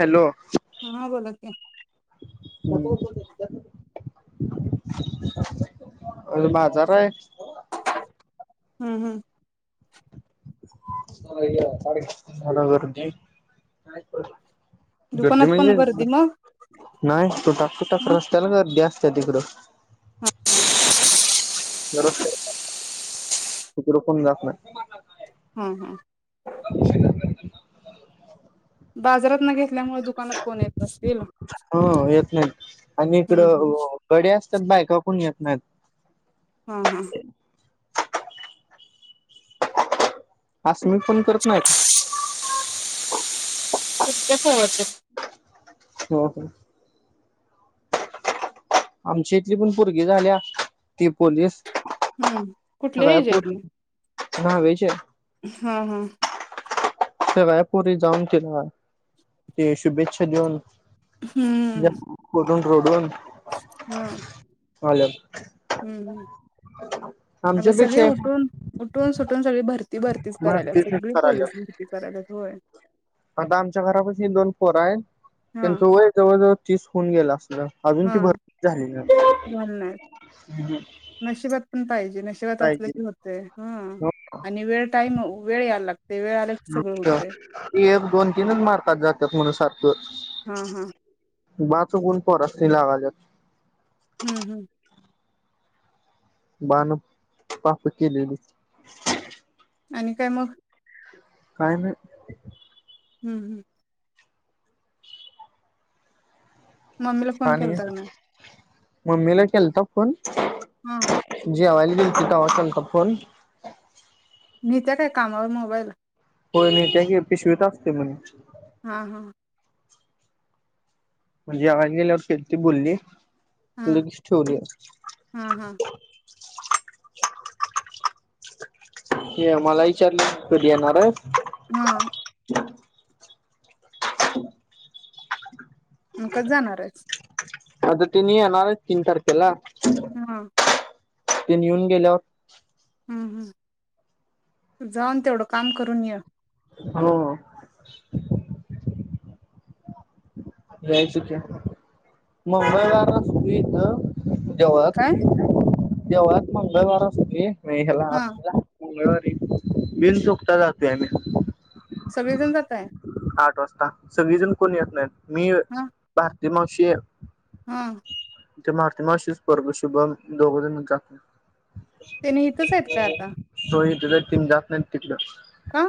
Hello हा बोला की. आज बाजार आहे. हम्म हम्म झालं गर्दी गर्दी दुकानात म्हणजे पण गर्दी मग नाही तो टाक तू टाक ह रस्त्याला गर्दी असत- त्या तिकडं जरस तिकडं कोण जात नाही. हम् हम् [unintelligible] बाजारात न घे - हो येत नाहीत, आणि हम्म हम्म इकडं गडी् असतात बायका कोण येत नाहीत. हा हा अस म पण करत नाही का त होच हो हो आमची इथली पण भरगी झाल्या ती पोलीस हम्म कुठले हे जायचे ह वच हा हा ते रायपुर जाऊन तिला ते शुभेच्छा देऊन हम्म ून रोडून हा हल हम्म हम् अग सगळे आमच्यापेक्षा उठून उठून सु सग भरती भरतीच करायला सगळी कराल्या पोलीस भरती करायलात होय आता आमच्या घरापास दोन पोर हा आहेत वय तीस होऊन गेला अजून ती हा भरपूर झाली झालं नाही नशब असले पाहिजे. की होते आणि वेळ टाईम वेळ याला लागत अच्छ हे दोन तीनच मारतात जातात म्हणून सारखं हा हा. वाचकून परत लागाजत. हम्म हम्म. बणू पाप केलेली. आणि काय मग काय नाही. हम्म हम्म. मम्मीला फोन आणि केलता का नाही. मम्मीला केलता फोन हा. जी अ व्हलडल सुटा होॉटल का फोन मी त्या काय कामावर मोबाईल हो नाही त्या पिशवीेत असते म्हणे. हा हा. म्हणजे आल्यावर खेती बोलली. हा लगेच ठेवली. हा हा हे मला विचारलं कधी येणार आहे. हा. मग कसं जाणारे? आता त्यांनी येणारे तीन तारखेला. हा. त्यांनी येऊन गेल्यावर हम् हम् जाऊन तेवढं काम करून य. हो. जायचं की मुंबईवरून चालू इथं देवळात काय? देवळात मंगळवार असतोय. नाही हेला आ हा मंगळवारी बिन चुकता जातोय आम्ही. सगळेजण जाताय? आठ वाजता सगळीजण कोण येत नाही. मी हा ते मावशी हा. ते मारुती मावशी चा पोरगा शुभम दोघेजण त्यांनी हितच आहेत का आता. हितच आहे त्यांनी जात नाही तिकडे. का?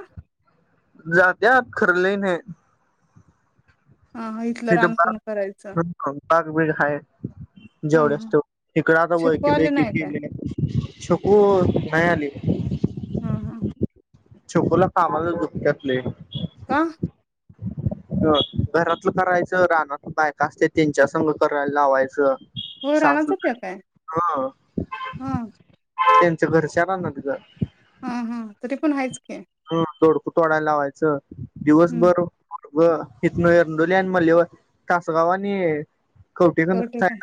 जात्यात ख र लइ नायी. हा हा इथलं रान कोण करायचं. पाग बीड खाय हा जेवढ्याच हा तेवड. हीकडं आता छक्कू वळकी आले बीळकी नाही काय? केलय. छकू नाय आली. हम् हम छकुला कामाला जुप्त्यात लय ह अ घरातलं करायचं रानात बायका असते त्यांच्यासग करायला लावायचं होय रानात सास जात्या काय? अ हा तेन- ते घरच्या रानात ग. हा हा तरी पण हायच की. तोडाय लावायचं. हम्म दिवसभर व हीतन एरडोली आणि मलीव तासगाव आणि कवटीकडन कवठे चा का?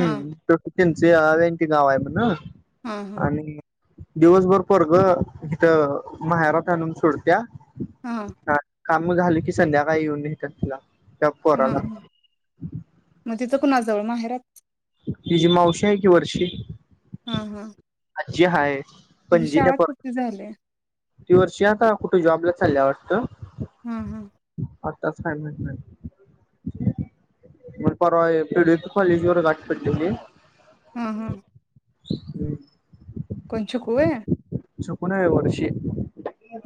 हा त्यांची आवेंती गावाय म्हण. हम हम् आणि दिवसभर पोरगं इथ माहेरात आणून सोडतिया, हां काम झालं की संध्याकाळी येऊन न्हेतिया तिला. त्या हा पोराला. हा मग तिथं कुणाजवळ माहेरत? तिची मावशी आहे कि वर्षी. हम् हम् आजी हाय, तिची पणजी त्या शाळा पर किती झालेय? ती वर्षी आता कुठ जॉबला चालिया वाटतं, हा हा आताच काय माहीत नाही, मला परवा पी. डी. पी. कॉलेज वर गाठ पडलीली. हम् हम् [unintelligible] कोण छकु होय. छकु नाही वर्षी.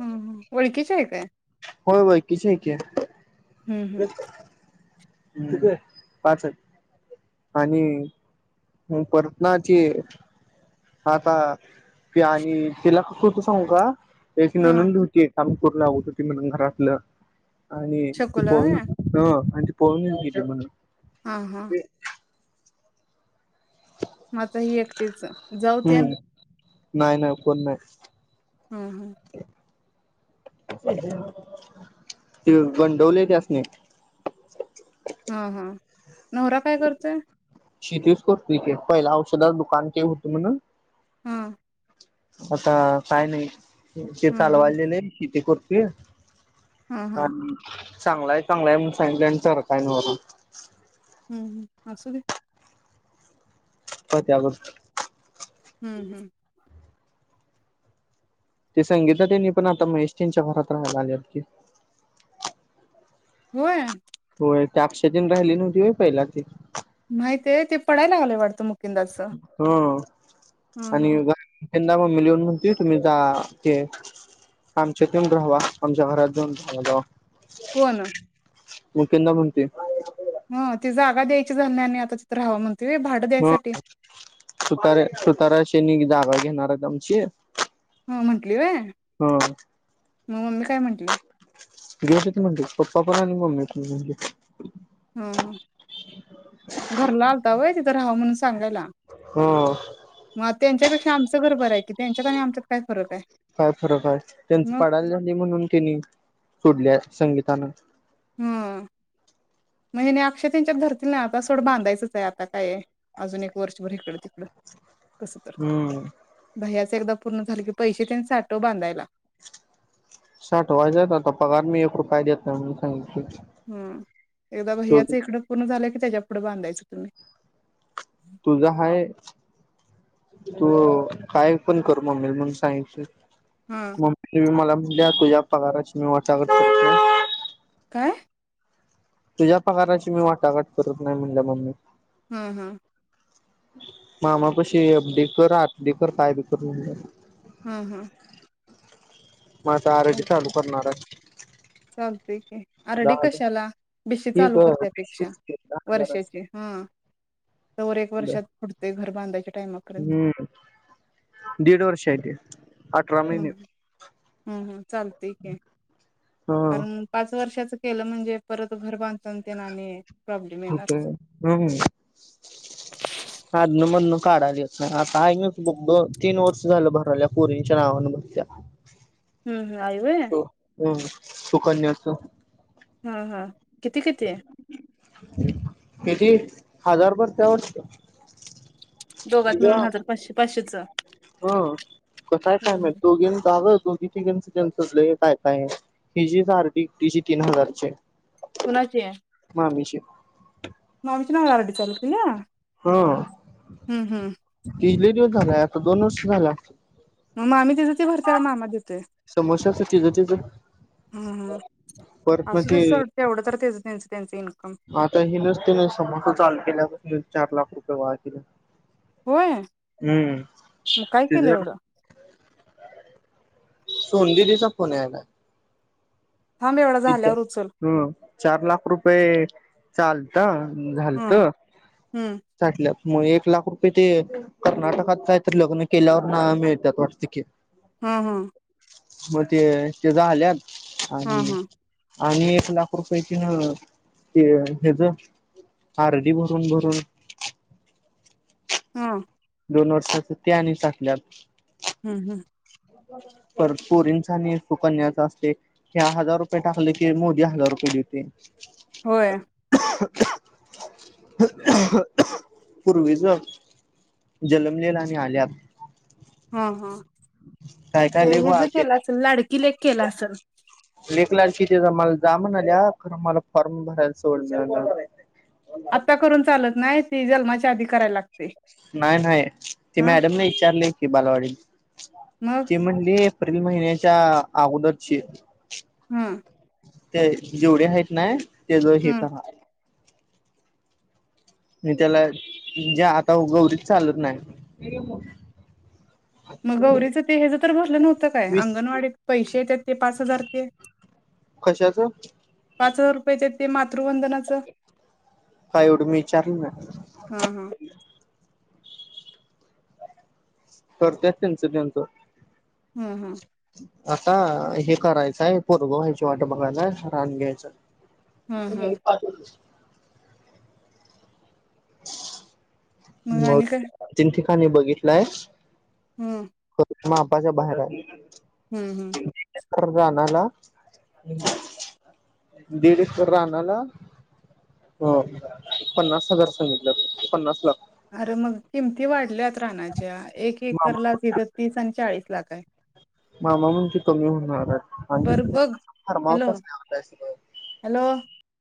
हम्म हम् ओळखीची आहे काय? होय ओळखीची हाय की. हम्म हम्म पाच आहेत. आणि ह परतनाची आता पी आणि तिला खोटं सांगू का? तिची हा नणंद बी हुती. काम करू लागत होती म्हणून घरातलं. आणि ती शकूला पळून होय? आणि पळून गेलती ती म्हण, हां हां. म आता ही एकटीच जाऊ तेन? हम्म नाही नाही कोण नाही. हम्म हम्म. ते गंडवलय त्यासनी. हां हां नवरा काय करतोय? शेतीच करतोय की पहिला औषधाच दुकान तेन होत म्हण, हम. आता काय नाही. ते हा हा चालवायला दिलय शेती कर- ते हा [unintelligible] हा चांगलाय चांगला आहे म्हनून सांगितलं आणि ठर काय ना बरं. हम्म असू दे होत आगत हम्म हम्म. ते सांगीता त्यांनी पण आता महेश त्यांच्या घरात राहायला आल्यात की. होय. होय ते अक्षेतेन राहिली नव्हती होय पहिला ती. माहित आहे ते पडायला आलय वाटत मग. कि दस. हं हम् आणि हम्. त्यांना मम्मी म्हणत तुम्ही जा ते आमच्यात येऊन राहावा आमच्या घरात जाऊन राहावा जा. कोण? मुकेंदा म्हणते ह ती जागा द्यायची झाल्या आणि आता तिथ राहावं म्हण ह सुतारा सुतारा शनी जा. आमची. ह म्हंटली वय? हम मग मम्मी काय म्हंटली? गशच म्हणते पप्पा पण आणि मम्मी पण. हा हा सांगयला? हम. त्यांच्यापेक्षा आमचं घर बरं आहे की त्यांच्यात आणि आमच्यात काय फरक आहे काय फरक काय त्यांच मग पाडाल झाली म्हणून त्यांनी सोडल्यात संगीतानं हम म्हणजे नाही अक्षय यांच्यात धरतील ना आता सोडं बांधायचंच आहे आता काय अजून एक वर्षभर इकडं तिकडं कस तर हम्म भैय्या एक पूर्ण झाले की पैसे त्यांनी साठव बांधायला साटवायचे आता पगार मी एक रुपय देत नाही सासांगणार हम एकदा भैय्याच इकडंच पूर्ण झालं की त्याच्या पुढं बांधायचं तुम्ही तुझ हय तू काय पण कर म्हणून सांगितलय हा मम्मी मला ्या तुझ्या पगाराशी मी वाचा करततो काय तुझ्या प्रकाराची मी वाटाघट करत नाही म्हणल्या मम्मी हम्म हम्म मामा पशी एककर आतदी कर काय बी कर म्ह हम्म हम्म मग आता आर डी चालू करणार आहे चालते की दहा आरडी हजार कशाला बेशी ही चालू ग करतायपेक्षा वीसशेच की दहा वर्षाची हजाराची हा तर एक वर्षात फुटतय घर. बांधाय का - - हम्म दीड वर्ष आहेेत. ह हम् हम चालतय की हा कारण पाच वर्षात - - केलं म्हणजे परत घर बांधतान तेन आणि प्रॉब्लेम हो येणार. हम् आ दन मदन काढाली आताच बुक द तीन वर्ष झालं भरल्या परींच्या नावान भरतीया. हम्म हम् आई व्हय! सुकन्या च हा हा किती किती आहे? किती हजार भरतीया वाटत. दोघत मिळून हजार पाचशे पाचशेच. हा कस हाय काय माहित हम्म. आहे. दोघी दोघी तिघीनच - - तेनचच लय काय काय हाय. हिजीच आर डी एकटीची तीन हजार ची आहे. कुणाची आहे मामीची मामीच नाव आडीच [unintelligible] हा तिले किती दिवस झालाय. आता दोन वर्ष झालं असतील. मामी तिज तिझ ती भरतीया की मामा देतोय. समोशाच तिचं तिचं परत मग आसूदे ते सोड तेवढ तरी तेंच त्यांच इन - - आता हे नसते नाही समोस चालू केल्या होय. चार लाख रुपये वाया गेले. होय हम्म म काय केल तिचा येवढ! सोनू दिदिचा फोन यालाय. थांब एवढा च्या झाल्यावर उचल. हम् चार लाख रुपये - - चालत झालत हं हं साठल्या - - मग एक लाख रुपये ते कर्नाटकातय तर लग्न केल्यावर ना मिळतात वाटते की. हं हं मग ते ते झाल्यात. आणि हं हं आणि एक लाख रुपयया कि ते हच आरडी भरून भरून ह दोन वर्षाच ते आणि साठल्यात. हम्म हम्म पर सुरीन झाली सुकंन्या चा असते की हजार रुपये टाकले की मोदी हजार रूपये देते. ओय पूर्वीज जलमलेल आणि आल्यात अ ह काय काय ते लय हे गोळा बी केल केल्यात. असेल लाडीक किलेक केला असल. लेक लाडकी तीज माल जा म्हणाल्या खर माला फॉरम भरायल सवड नाय आत्ता करून चालत नाय ते जलमाच्या आधी करायलात. नाय नाय ती मॅडमने विचारले की बालवाडी मग [inaudible] ते म्हणले एप्रिल महिन्याच्या हम् तेय जेवढे आहेत ना ते ज हे हम्म त मा मी त्याला जे आता उगवती चालत नाय म गोरीच हे जे तर भरल नव्हत काय वीस आंगणवाडीचे पैशे ते ते पाच हजार रुपय कशाच पाच रुपय चे ते मात्र काय एवढ मी इचारल ना हा हा करत्यात त्यांच त्यांच हम् हम् आता हे करायचय पोरग व्हायची वाट बाघाच राण घ्याच हम्म उन्याइ हम्म पाच वर्षे ह [unintelligible] मग आणी क आणी बघितलाय हम् मग आपाच्या बाहेर हम् हम् राणाला दीड इकर राणाला अ पंन्नास हजार सांगीतल पंन्नास लाख अर मंग किमती वाढल्यात. राणाच्या एक एक मामा करला तीथ आण चाळीस क्ला ताय मामा म्हणजे कमी होणार हाय बर बग हॅलो काय सगळं हॅलो